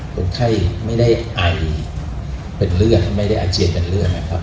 คนไข้ไม่ได้ไอเป็นเลือดไม่ได้อาเจียนเป็นเลือดนะครับ